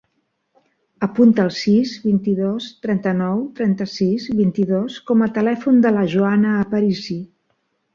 Apunta el sis, vint-i-dos, trenta-nou, trenta-sis, vint-i-dos com a telèfon de la Joana Aparici.